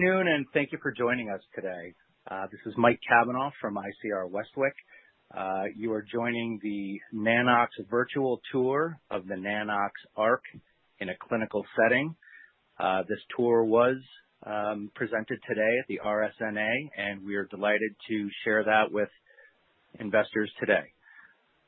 Good afternoon, and thank you for joining us today. This is Mike Cavanaugh from ICR Westwicke. You are joining the Nanox virtual tour of the Nanox.ARC in a clinical setting. This tour was presented today at the RSNA, and we are delighted to share that with investors today.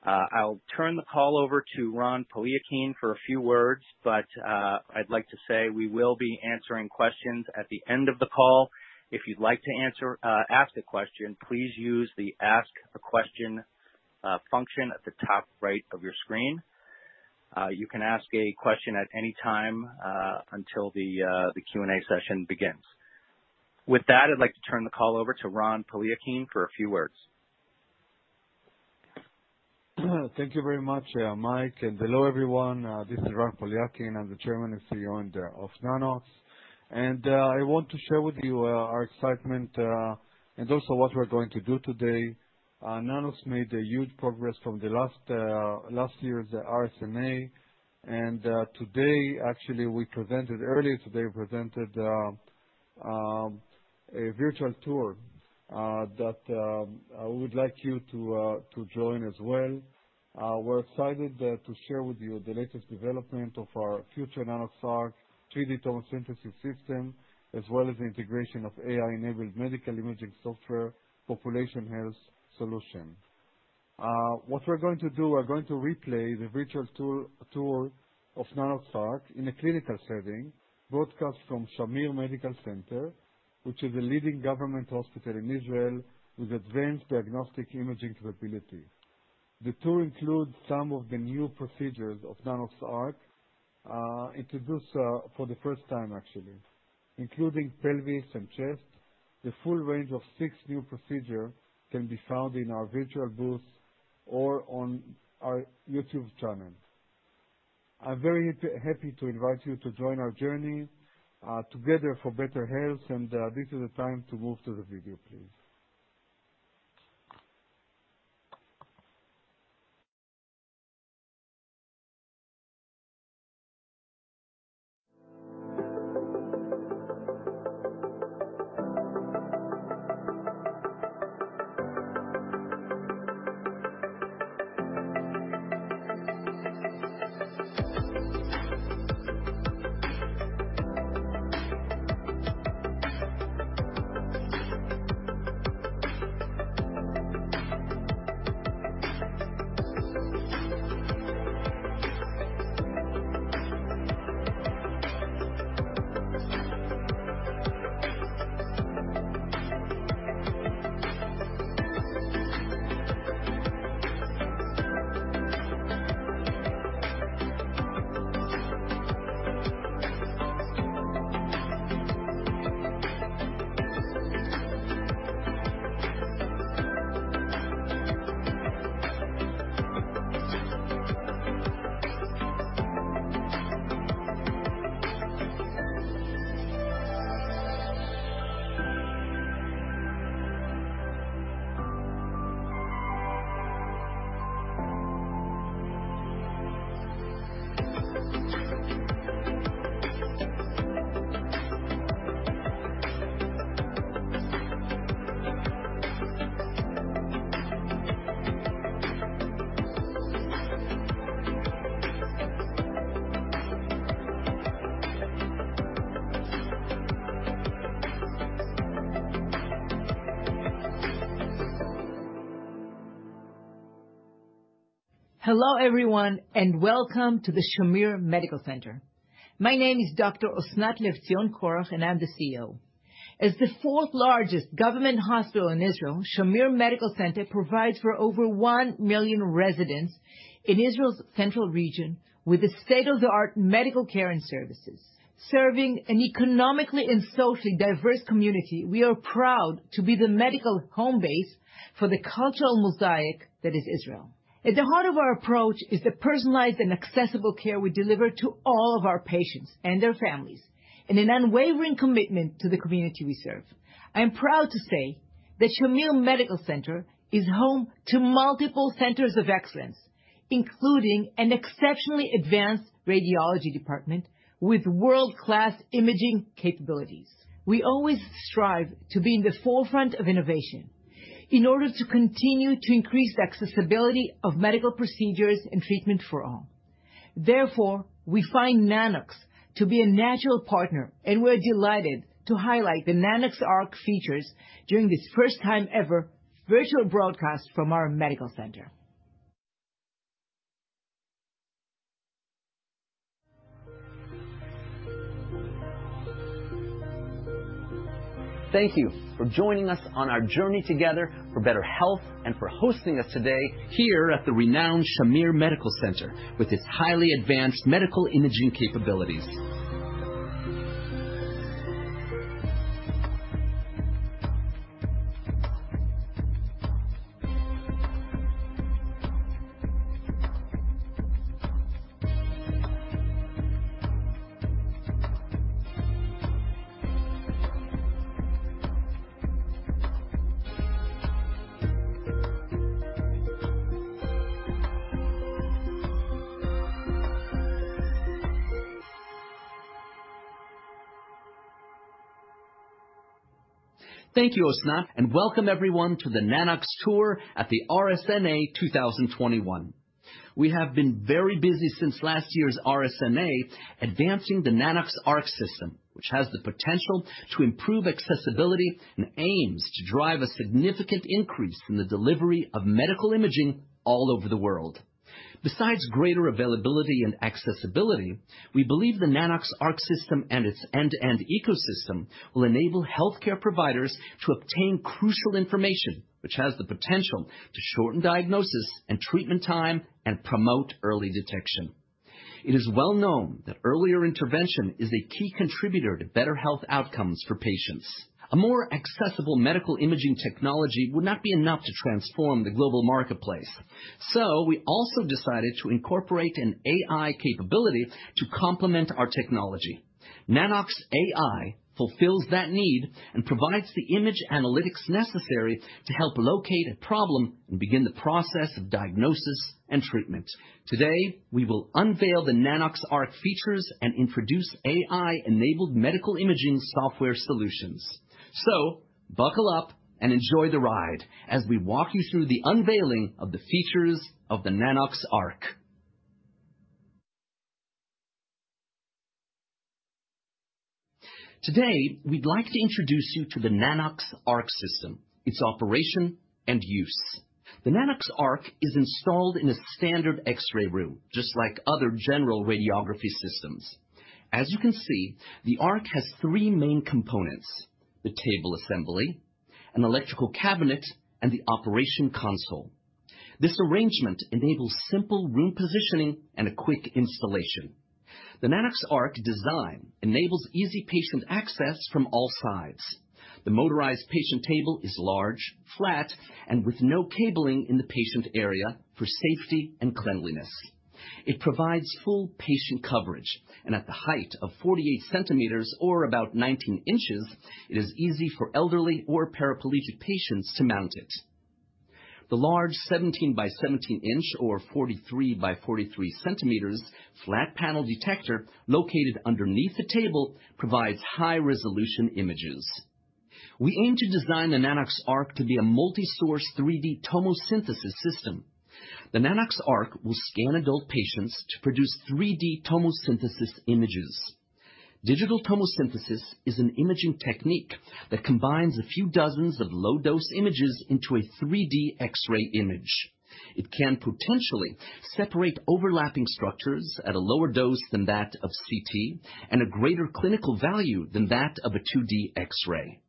I'll turn the call over to Ran Poliakine for a few words, but I'd like to say we will be answering questions at the end of the call. If you'd like to ask the question, please use the Ask a Question function at the top right of your screen. You can ask a question at any time until the Q and A session begins. With that, I'd like to turn the call over to Ran Poliakine for a few words. Thank you very much, Mike, and hello everyone. This is Ran Poliakine. I'm the Chairman and CEO of Nanox. I want to share with you our excitement and also what we're going to do today. Nanox made a huge progress from last year's RSNA. Today, actually, earlier today, we presented a virtual tour that I would like you to join as well. We're excited to share with you the latest development of our future Nanox.ARC 3D tomosynthesis system, as well as the integration of AI-enabled medical imaging software population health solution. What we're going to do, we're going to replay the virtual tour of Nanox.ARC in a clinical setting, broadcast from Shamir Medical Center, which is a leading government hospital in Israel with advanced diagnostic imaging capability. The tour includes some of the new procedures of Nanox.ARC, introduced for the first time, actually, including pelvis and chest. The full range of six new procedures can be found in our virtual booth or on our YouTube channel. I'm very happy to invite you to join our journey together for better health. This is the time to move to the video, please. Hello, everyone, and welcome to the Shamir Medical Center. My name is Dr. Osnat Levtzion-Korach, and I'm the CEO. As the fourth-largest government hospital in Israel, Shamir Medical Center provides for over 1 million residents in Israel's central region with state-of-the-art medical care and services. Serving an economically and socially diverse community, we are proud to be the medical home base for the cultural mosaic that is Israel. At the heart of our approach is the personalized and accessible care we deliver to all of our patients and their families and an unwavering commitment to the community we serve. I am proud to say that Shamir Medical Center is home to multiple centers of excellence, including an exceptionally advanced radiology department with world-class imaging capabilities. We always strive to be in the forefront of innovation in order to continue to increase accessibility of medical procedures and treatment for all. Therefore, we find Nanox to be a natural partner, and we're delighted to highlight the Nanox.ARC features during this first time ever virtual broadcast from our medical center. Thank you for joining us on our journey together for better health and for hosting us today here at the renowned Shamir Medical Center with its highly advanced medical imaging capabilities. Thank you, Osnat, and welcome everyone to the Nanox tour at the RSNA 2021. We have been very busy since last year's RSNA advancing the Nanox.ARC system, which has the potential to improve accessibility and aims to drive a significant increase in the delivery of medical imaging all over the world. Besides greater availability and accessibility, we believe the Nanox.ARC system and its end-to-end ecosystem will enable healthcare providers to obtain crucial information, which has the potential to shorten diagnosis and treatment time and promote early detection. It is well known that earlier intervention is a key contributor to better health outcomes for patients. A more accessible medical imaging technology would not be enough to transform the global marketplace. We also decided to incorporate an AI capability to complement our technology. Nanox.AI fulfills that need and provides the image analytics necessary to help locate a problem and begin the process of diagnosis and treatment. Today, we will unveil the Nanox.ARC features and introduce AI-enabled medical imaging software solutions. Buckle up and enjoy the ride as we walk you through the unveiling of the features of the Nanox.ARC. Today, we'd like to introduce you to the Nanox.ARC system, its operation, and use. The Nanox.ARC is installed in a standard X-ray room, just like other general radiography systems. As you can see, the Arc has three main components, the table assembly, an electrical cabinet, and the operation console. This arrangement enables simple room positioning and a quick installation. The Nanox.ARC design enables easy patient access from all sides. The motorized patient table is large, flat, and with no cabling in the patient area for safety and cleanliness. It provides full patient coverage, and at the height of 48 cm or about 19 inches, it is easy for elderly or paraplegic patients to mount it. The large 17 by 17 inch or 43 by 43 cm flat panel detector located underneath the table provides high resolution images. We aim to design the Nanox.ARC to be a multi-source 3D tomosynthesis system. The Nanox.ARC will scan adult patients to produce 3D tomosynthesis images. Digital tomosynthesis is an imaging technique that combines a few dozens of low-dose images into a 3D X-ray image. It can potentially separate overlapping structures at a lower dose than that of CT and a greater clinical value than that of a 2D X-ray.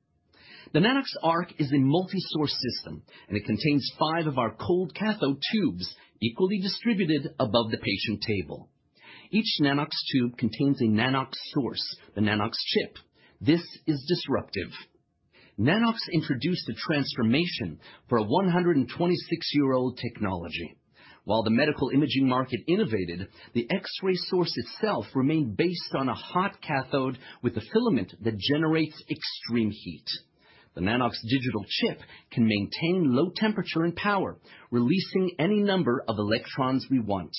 The Nanox.ARC is a multi-source system, and it contains five of our cold cathode tubes equally distributed above the patient table. Each Nanox tube contains a Nanox.SOURCE, the Nanox chip. This is disruptive. Nanox introduced a transformation for a 126-year-old technology. While the medical imaging market innovated, the X-ray source itself remained based on a hot cathode with a filament that generates extreme heat. The Nanox digital chip can maintain low temperature and power, releasing any number of electrons we want.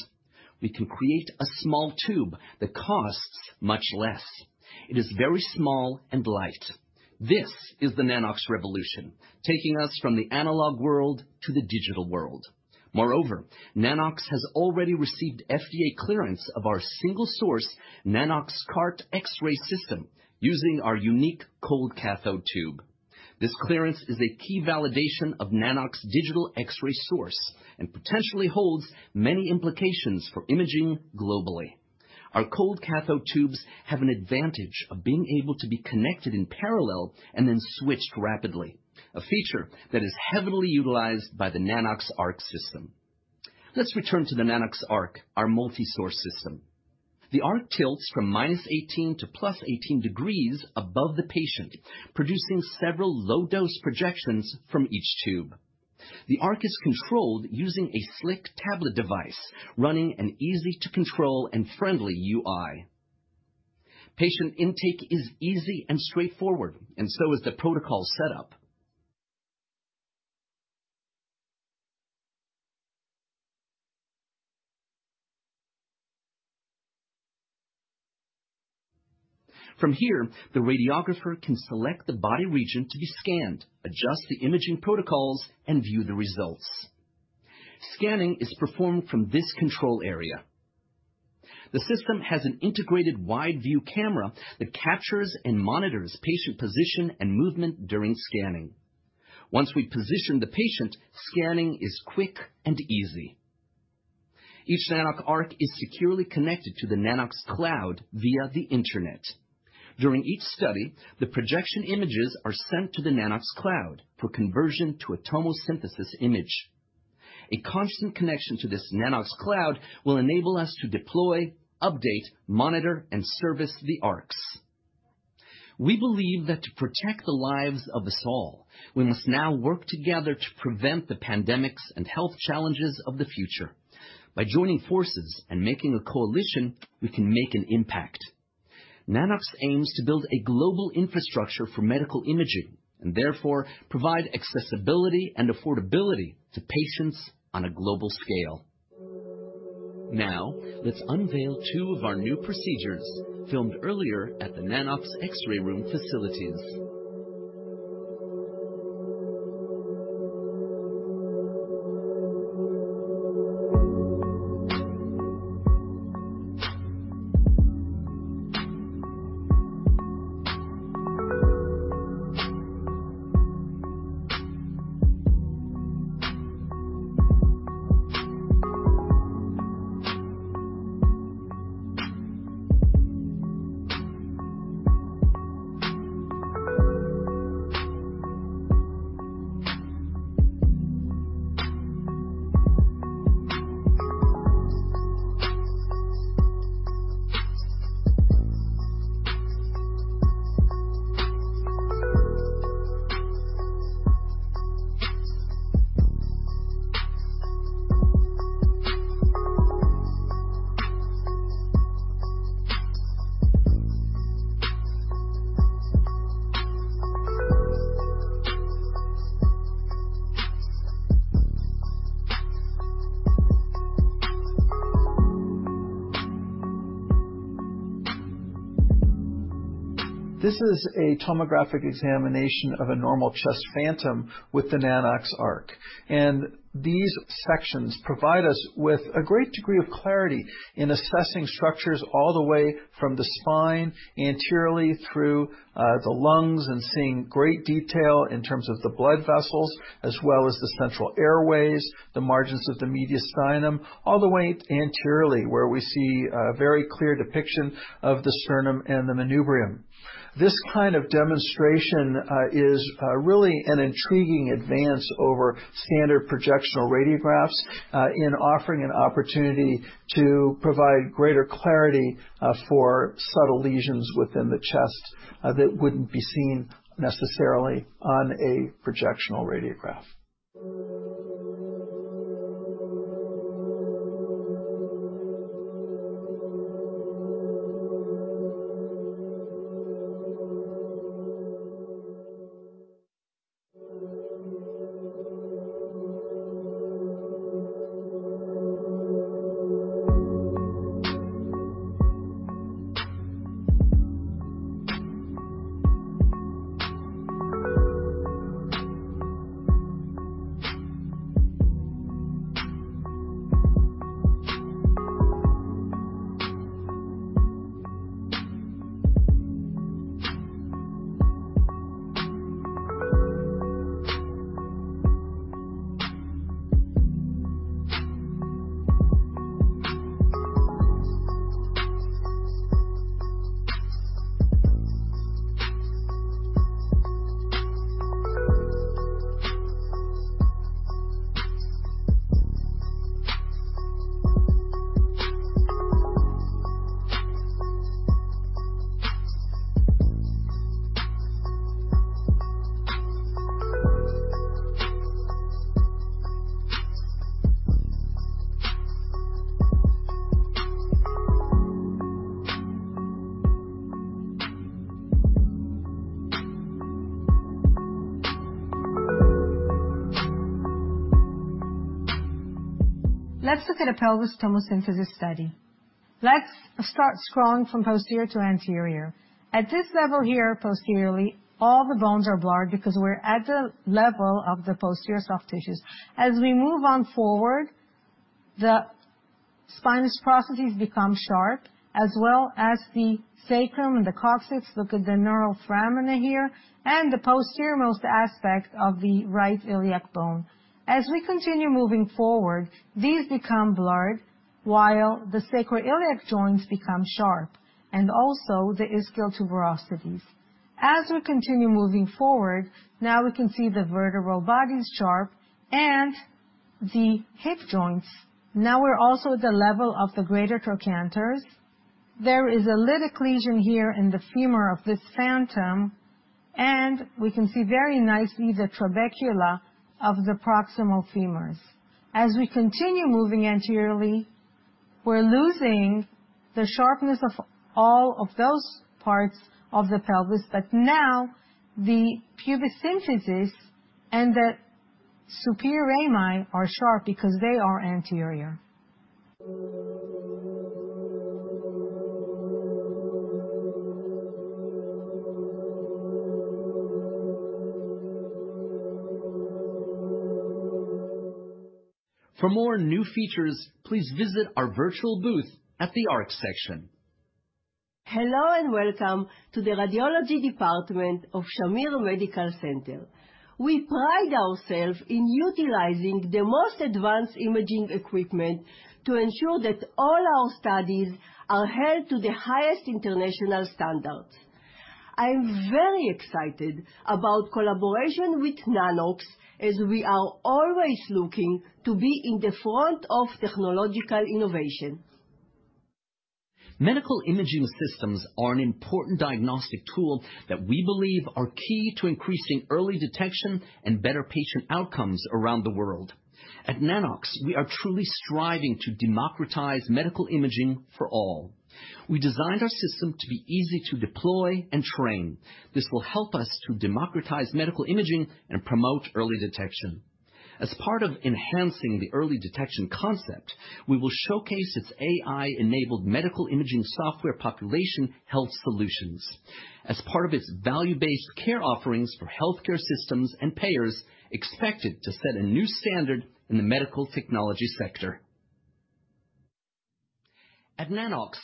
We can create a small tube that costs much less. It is very small and light. This is the Nanox revolution, taking us from the analog world to the digital world. Moreover, Nanox has already received FDA clearance of our single-source Nanox Cart X-Ray System using our unique cold cathode tube. This clearance is a key validation of Nanox's digital X-ray source and potentially holds many implications for imaging globally. Our cold cathode tubes have an advantage of being able to be connected in parallel and then switched rapidly. A feature that is heavily utilized by the Nanox.ARC system. Let's return to the Nanox.ARC, our multi-source system. The Nanox.ARC tilts from -18 to +18 degrees above the patient, producing several low-dose projections from each tube. The Nanox.ARC is controlled using a slick tablet device, running an easy-to-control and friendly UI. Patient intake is easy and straightforward, and so is the protocol setup. From here, the radiographer can select the body region to be scanned, adjust the imaging protocols, and view the results. Scanning is performed from this control area. The system has an integrated wide view camera that captures and monitors patient position and movement during scanning. Once we position the patient, scanning is quick and easy. Each Nanox.ARC is securely connected to the Nanox.CLOUD via the Internet. During each study, the projection images are sent to the Nanox.CLOUD for conversion to a tomosynthesis image. A constant connection to this Nanox.CLOUD will enable us to deploy, update, monitor, and service the Nanox.ARCs. We believe that to protect the lives of us all, we must now work together to prevent the pandemics and health challenges of the future. By joining forces and making a coalition, we can make an impact. Nanox aims to build a global infrastructure for medical imaging and therefore provide accessibility and affordability to patients on a global scale. Now, let's unveil two of our new procedures filmed earlier at the Nanox X-ray room facilities. This is a tomographic examination of a normal chest phantom with the Nanox.ARC. These sections provide us with a great degree of clarity in assessing structures all the way from the spine anteriorly through the lungs and seeing great detail in terms of the blood vessels as well as the central airways, the margins of the mediastinum, all the way anteriorly, where we see a very clear depiction of the sternum and the manubrium. This kind of demonstration is really an intriguing advance over standard projectional radiographs in offering an opportunity to provide greater clarity for subtle lesions within the chest that wouldn't be seen necessarily on a projectional radiograph. Let's look at a pelvic tomosynthesis study. Let's start scrolling from posterior to anterior. At this level here, posteriorly, all the bones are blurred because we're at the level of the posterior soft tissues. As we move on forward, the spinous processes become sharp, as well as the sacrum and the coccyx. Look at the neural foramina here and the posterior most aspect of the right iliac bone. As we continue moving forward, these become blurred while the sacroiliac joints become sharp and also the ischial tuberosities. As we continue moving forward, now we can see the vertebral body is sharp and the hip joints. Now we're also at the level of the greater trochanters. There is a lytic lesion here in the femur of this phantom, and we can see very nicely the trabecula of the proximal femurs. As we continue moving anteriorly, we're losing the sharpness of all of those parts of the pelvis. Now the pubic symphysis and the superior rami are sharp because they are anterior. For more new features, please visit our virtual booth at the ARC section. Hello, and welcome to the radiology department of Shamir Medical Center. We pride ourselves in utilizing the most advanced imaging equipment to ensure that all our studies are held to the highest international standards. I'm very excited about collaboration with Nanox as we are always looking to be in the front of technological innovation. Medical imaging systems are an important diagnostic tool that we believe are key to increasing early detection and better patient outcomes around the world. At Nanox, we are truly striving to democratize medical imaging for all. We designed our system to be easy to deploy and train. This will help us to democratize medical imaging and promote early detection. As part of enhancing the early detection concept, we will showcase its AI-enabled medical imaging software population health solutions as part of its value-based care offerings for healthcare systems and payers expected to set a new standard in the medical technology sector. At Nanox,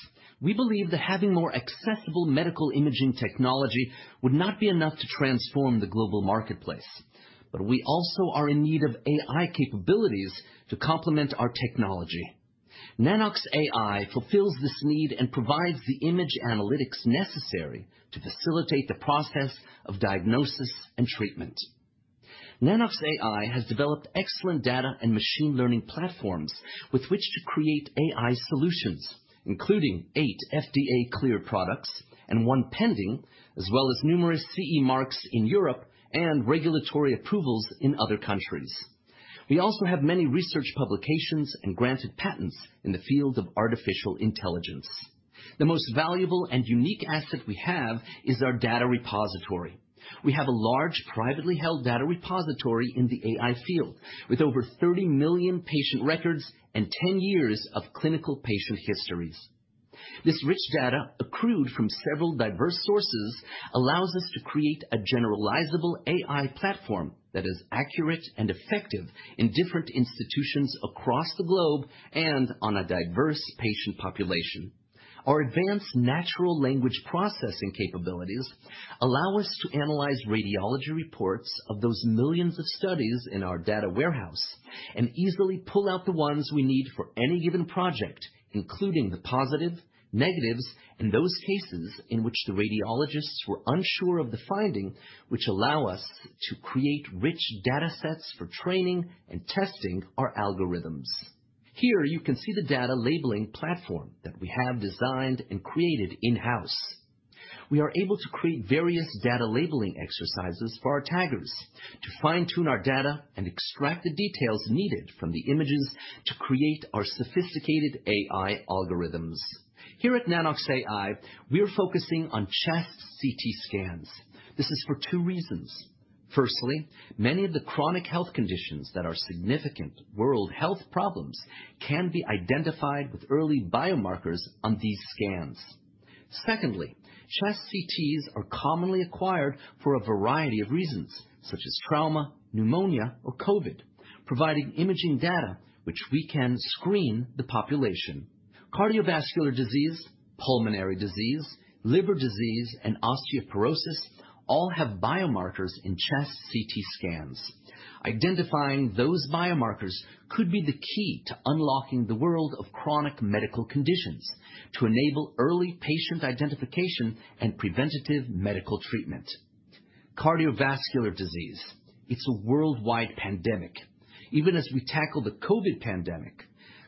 we believe that having more accessible medical imaging technology would not be enough to transform the global marketplace, but we also are in need of AI capabilities to complement our technology. Nanox.AI fulfills this need and provides the image analytics necessary to facilitate the process of diagnosis and treatment. Nanox.AI has developed excellent data and machine learning platforms with which to create AI solutions, including eight FDA-cleared products and one pending, as well as numerous CE marks in Europe and regulatory approvals in other countries. We also have many research publications and granted patents in the field of artificial intelligence. The most valuable and unique asset we have is our data repository. We have a large, privately held data repository in the AI field with over 30 million patient records and 10 years of clinical patient histories. This rich data, accrued from several diverse sources, allows us to create a generalizable AI platform that is accurate and effective in different institutions across the globe and on a diverse patient population. Our advanced natural language processing capabilities allow us to analyze radiology reports of those millions of studies in our data warehouse and easily pull out the ones we need for any given project, including the positive, negatives, and those cases in which the radiologists were unsure of the finding, which allow us to create rich datasets for training and testing our algorithms. Here, you can see the data labeling platform that we have designed and created in-house. We are able to create various data labeling exercises for our taggers to fine-tune our data and extract the details needed from the images to create our sophisticated AI algorithms. Here at Nanox.AI, we're focusing on chest CT scans. This is for two reasons. Firstly, many of the chronic health conditions that are significant world health problems can be identified with early biomarkers on these scans. Secondly, chest CTs are commonly acquired for a variety of reasons, such as trauma, pneumonia, or COVID, providing imaging data which we can screen the population. Cardiovascular disease, pulmonary disease, liver disease, and osteoporosis all have biomarkers in chest CT scans. Identifying those biomarkers could be the key to unlocking the world of chronic medical conditions to enable early patient identification and preventative medical treatment. Cardiovascular disease, it's a worldwide pandemic. Even as we tackle the COVID pandemic,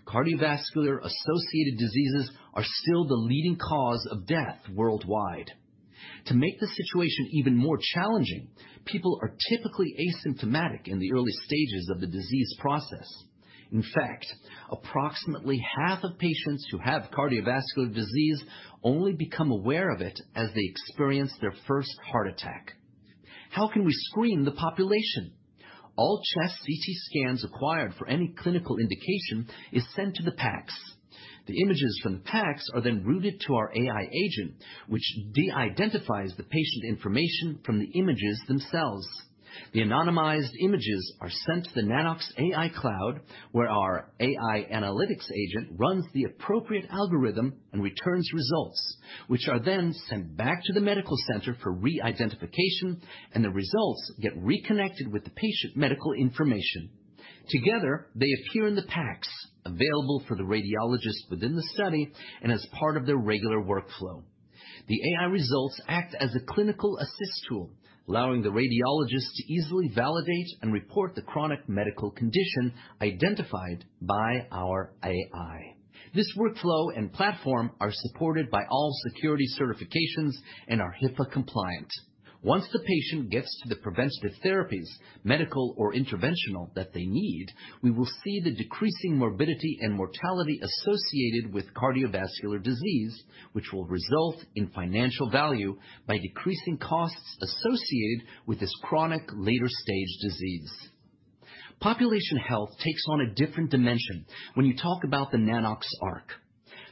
cardiovascular-associated diseases are still the leading cause of death worldwide. To make the situation even more challenging, people are typically asymptomatic in the early stages of the disease process. In fact, approximately half of patients who have cardiovascular disease only become aware of it as they experience their first heart attack. How can we screen the population? All chest CT scans acquired for any clinical indication is sent to the PACS. The images from the PACS are then routed to our AI agent, which de-identifies the patient information from the images themselves. The anonymized images are sent to the Nanox.AI cloud, where our AI analytics agent runs the appropriate algorithm and returns results, which are then sent back to the medical center for re-identification, and the results get reconnected with the patient medical information. Together, they appear in the PACS, available for the radiologist within the study and as part of their regular workflow. The AI results act as a clinical assist tool, allowing the radiologist to easily validate and report the chronic medical condition identified by our AI. This workflow and platform are supported by all security certifications and are HIPAA compliant. Once the patient gets to the preventative therapies, medical or interventional that they need, we will see the decreasing morbidity and mortality associated with cardiovascular disease, which will result in financial value by decreasing costs associated with this chronic later stage disease. Population health takes on a different dimension when you talk about the Nanox.ARC.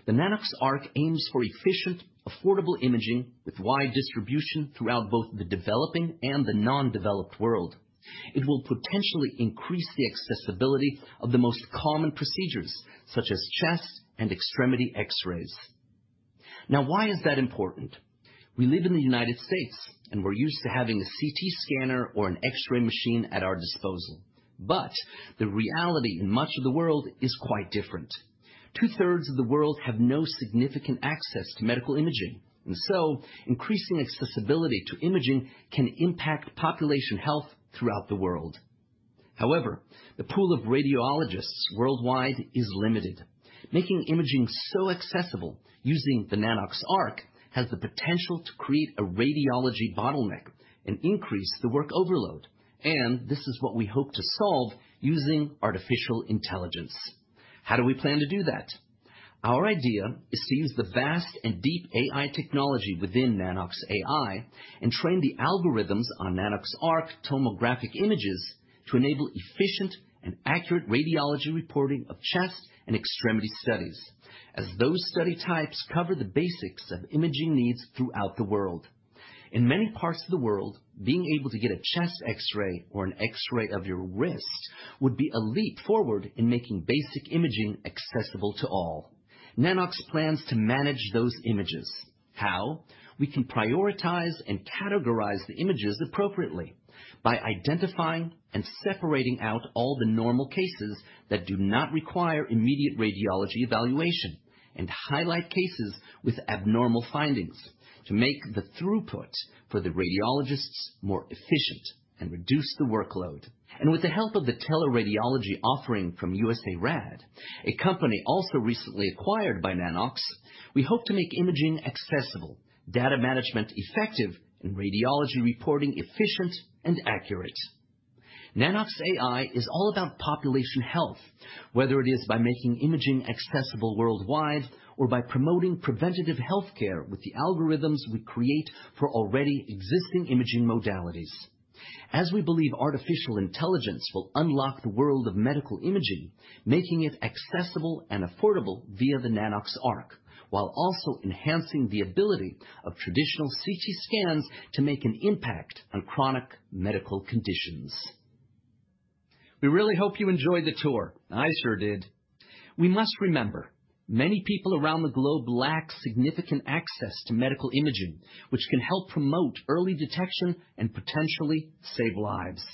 The Nanox.ARC aims for efficient, affordable imaging with wide distribution throughout both the developing and the non-developed world. It will potentially increase the accessibility of the most common procedures such as chest and extremity X-rays. Now, why is that important? We live in the United States, and we're used to having a CT scanner or an X-ray machine at our disposal. But the reality in much of the world is quite different. Two-thirds of the world have no significant access to medical imaging, and so increasing accessibility to imaging can impact population health throughout the world. However, the pool of radiologists worldwide is limited. Making imaging so accessible using the Nanox.ARC has the potential to create a radiology bottleneck and increase the work overload, and this is what we hope to solve using artificial intelligence. How do we plan to do that? Our idea is to use the vast and deep AI technology within Nanox.AI and train the algorithms on Nanox.ARC tomographic images to enable efficient and accurate radiology reporting of chest and extremity studies, as those study types cover the basics of imaging needs throughout the world. In many parts of the world, being able to get a chest X-ray or an X-ray of your wrist would be a leap forward in making basic imaging accessible to all. Nanox plans to manage those images. How? We can prioritize and categorize the images appropriately by identifying and separating out all the normal cases that do not require immediate radiology evaluation and highlight cases with abnormal findings to make the throughput for the radiologists more efficient and reduce the workload. With the help of the teleradiology offering from USARAD, a company also recently acquired by Nanox, we hope to make imaging accessible, data management effective, and radiology reporting efficient and accurate. Nanox.AI is all about population health, whether it is by making imaging accessible worldwide or by promoting preventative health care with the algorithms we create for already existing imaging modalities. As we believe artificial intelligence will unlock the world of medical imaging, making it accessible and affordable via the Nanox.ARC, while also enhancing the ability of traditional CT scans to make an impact on chronic medical conditions. We really hope you enjoyed the tour. I sure did. We must remember, many people around the globe lack significant access to medical imaging, which can help promote early detection and potentially save lives.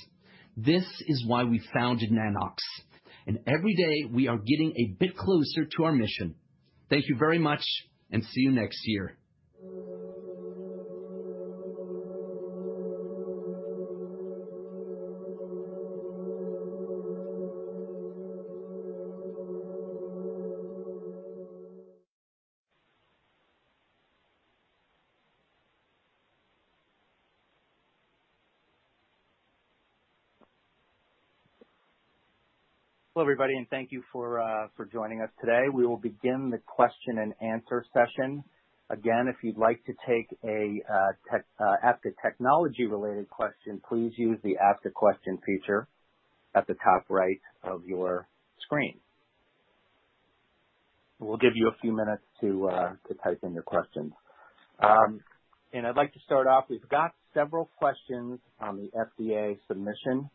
This is why we founded Nanox, and every day we are getting a bit closer to our mission. Thank you very much and see you next year. Hello, everybody, and thank you for joining us today. We will begin the question and answer session. Again, if you'd like to ask a technology-related question, please use the ask a question feature at the top right of your screen. We'll give you a few minutes to type in your questions. I'd like to start off. We've got several questions on the FDA submission.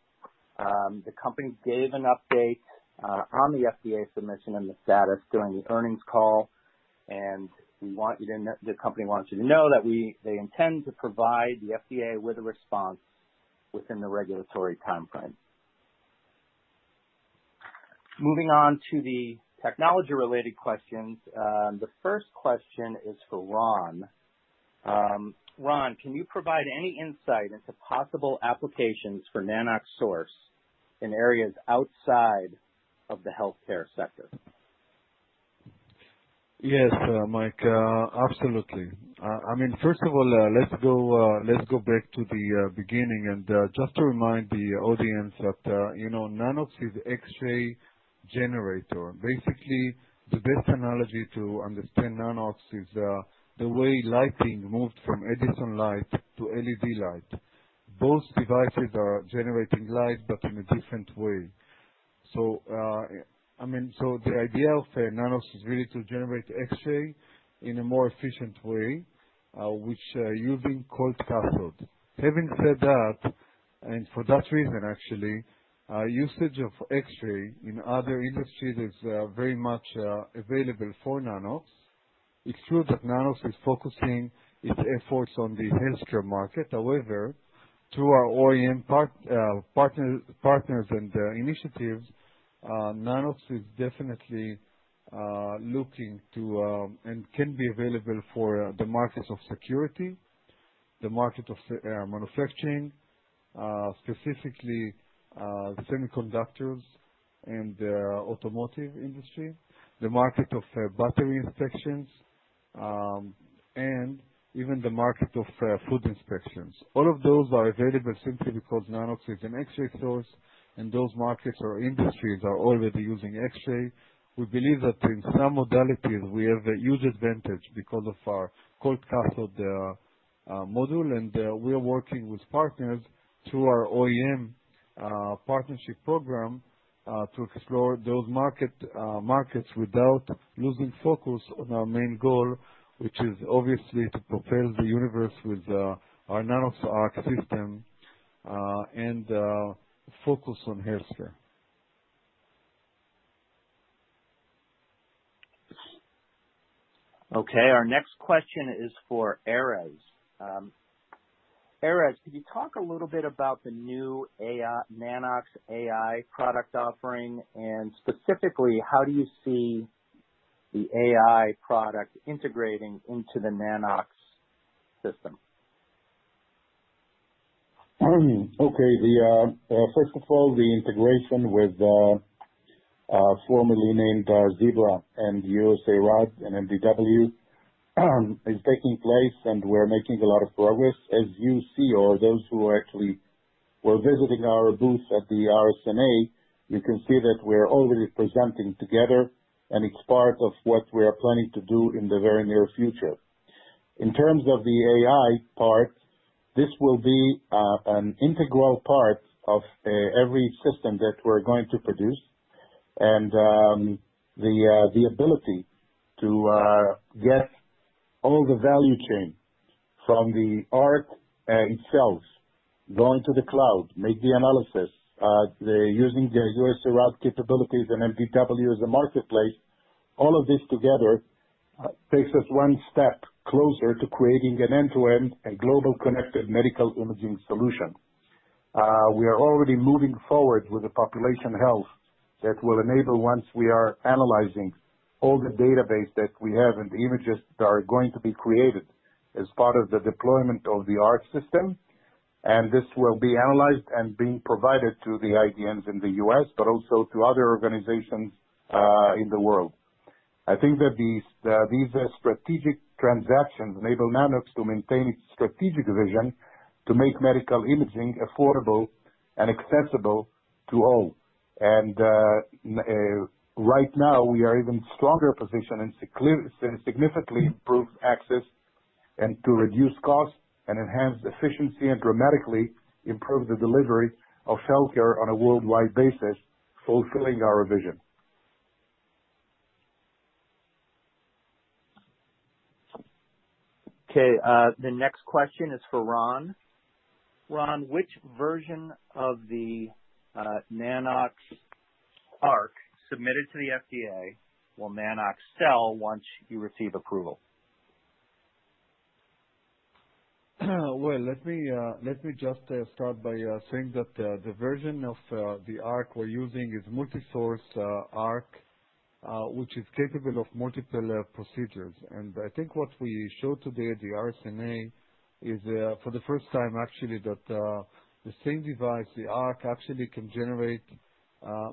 The company gave an update on the FDA submission and the status during the earnings call, and the company wants you to know that they intend to provide the FDA with a response within the regulatory timeframe. Moving on to the technology-related questions. The first question is for Ran. Ran, can you provide any insight into possible applications for Nanox Source in areas outside of the healthcare sector? Yes, Mike, absolutely. I mean, first of all, let's go back to the beginning and just to remind the audience that, you know, Nanox is X-ray generator. Basically, the best analogy to understand Nanox is the way lighting moved from Edison light to LED light. Both devices are generating light but in a different way. I mean, the idea of Nanox is really to generate X-ray in a more efficient way, which using cold cathode. Having said that, and for that reason actually, usage of X-ray in other industries is very much available for Nanox. It's true that Nanox is focusing its efforts on the healthcare market. However, through our OEM partnerships and initiatives, Nanox is definitely looking to and can be available for the markets of security, the market of manufacturing, specifically semiconductors and automotive industry, the market of battery inspections, and even the market of food inspections. All of those are available simply because Nanox is an X-ray source, and those markets or industries are already using X-ray. We believe that in some modalities we have a huge advantage because of our cold cathode module, and we are working with partners through our OEM partnership program to explore those markets without losing focus on our main goal, which is obviously to provide universal with our Nanox.ARC system and focus on healthcare. Okay, our next question is for Erez. Erez, could you talk a little bit about the new AI— Nanox AI product offering? Specifically, how do you see the AI product integrating into the Nanox- Okay. First of all, the integration with formerly named Zebra and USARAD and MDW is taking place, and we're making a lot of progress. As you see or those who actually were visiting our booth at the RSNA, you can see that we're already presenting together, and it's part of what we are planning to do in the very near future. In terms of the AI part, this will be an integral part of every system that we're going to produce. The ability to get all the value chain from the Nanox.ARC itself, going to the Nanox.CLOUD, make the analysis using the USARAD capabilities and MDW as a marketplace, all of this together takes us one step closer to creating an end-to-end and global connected medical imaging solution. We are already moving forward with the population health that will enable, once we are analyzing all the database that we have and the images that are going to be created as part of the deployment of the Nanox.ARC system. This will be analyzed and being provided to the IDNs in the U.S., but also to other organizations in the world. I think that these strategic transactions enable Nanox to maintain its strategic vision to make medical imaging affordable and accessible to all. Right now, we are even stronger positioned to significantly improve access and to reduce costs and enhance efficiency, and to dramatically improve the delivery of healthcare on a worldwide basis, fulfilling our vision. Okay. The next question is for Ran. Ran, which version of the Nanox.ARC submitted to the FDA will Nanox sell once you receive approval? Well, let me just start by saying that the version of the Arc we're using is multi-source Arc, which is capable of multiple procedures. I think what we showed today at the RSNA is for the first time actually that the same device, the Arc, actually can generate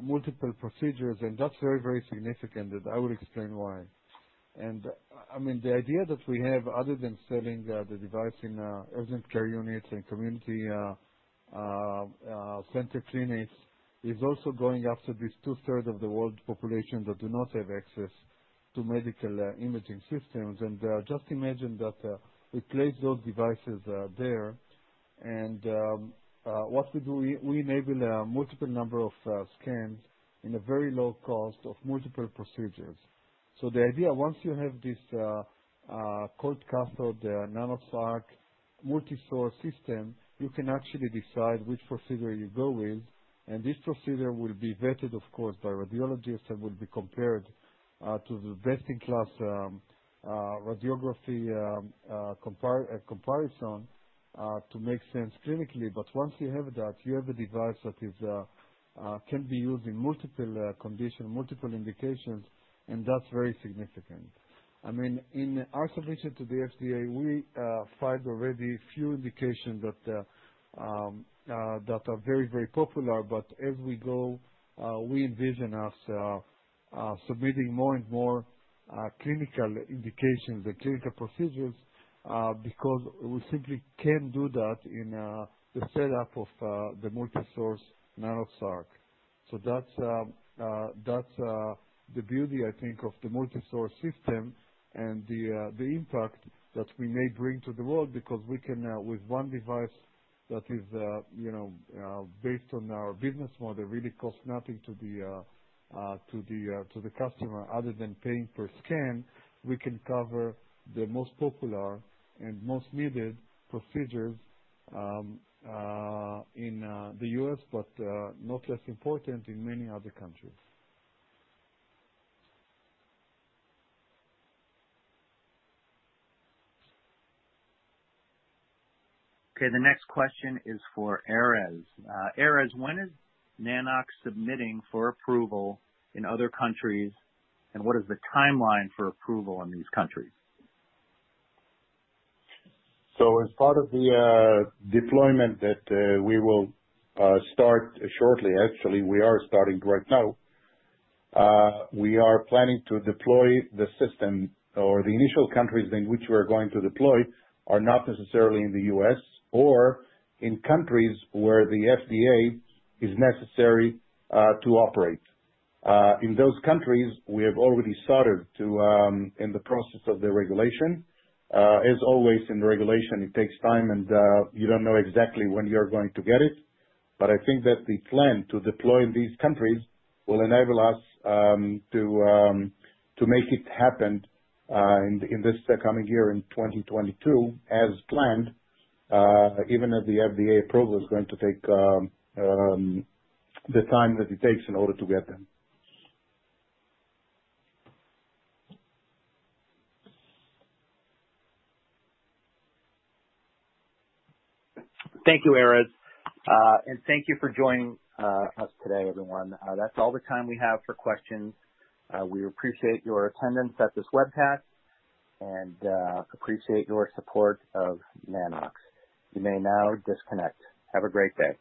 multiple procedures and that's very, very significant, and I will explain why. I mean, the idea that we have, other than selling the device in urgent care units and community center clinics, is also going after this two-thirds of the world population that do not have access to medical imaging systems. Just imagine that we place those devices there and what we do, we enable a multiple number of scans in a very low cost of multiple procedures. The idea, once you have this cold cathode Nanox.ARC multi-source system, you can actually decide which procedure you go with, and this procedure will be vetted, of course, by radiologists and will be compared to the best-in-class radiography comparison to make sense clinically. Once you have that, you have a device that is can be used in multiple conditions, multiple indications, and that's very significant. I mean, in our submission to the FDA, we filed already few indications that that are very, very popular. As we go, we envision us submitting more and more clinical indications or clinical procedures because we simply can do that in the setup of the multi-source Nanox.ARC. That's the beauty, I think, of the multi-source system and the impact that we may bring to the world because we can now, with one device that is, you know, based on our business model, really costs nothing to the customer other than paying per scan. We can cover the most popular and most needed procedures in the U.S., but not less important in many other countries. Okay. The next question is for Erez. Erez, when is Nanox submitting for approval in other countries, and what is the timeline for approval in these countries? As part of the deployment that we will start shortly. Actually, we are starting right now. We are planning to deploy the system or the initial countries in which we are going to deploy are not necessarily in the U.S. or in countries where the FDA is necessary to operate. In those countries, we have already started in the process of the regulation. As always in regulation, it takes time and you don't know exactly when you're going to get it. I think that the plan to deploy in these countries will enable us to make it happen in this coming year, in 2022 as planned, even if the FDA approval is going to take the time that it takes in order to get them. Thank you, Erez. Thank you for joining us today, everyone. That's all the time we have for questions. We appreciate your attendance at this webcast and appreciate your support of Nanox. You may now disconnect. Have a great day.